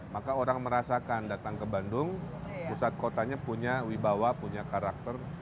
maka orang merasakan datang ke bandung pusat kotanya punya wibawa punya karakter